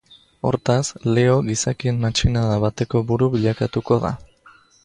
Hortaz, Leo gizakien matxinada bateko buru bilakatuko da.